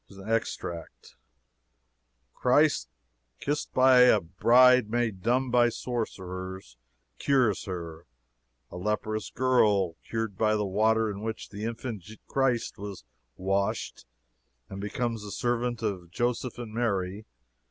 [Extract.] "Christ, kissed by a bride made dumb by sorcerers, cures her. A leprous girl cured by the water in which the infant Christ was washed, and becomes the servant of Joseph and Mary.